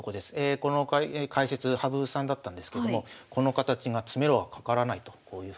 この解説羽生さんだったんですけどもこの形が詰めろはかからないとこういうふうに。